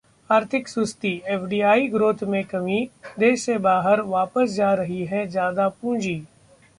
आर्थिक सुस्ती: FDI growth में कमी, देश से बाहर वापस जा रही ज्यादा पूंजी